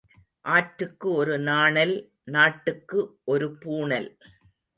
ஆற்றுக்கு ஒரு நாணல் நாட்டுக்கு ஒரு பூணல்.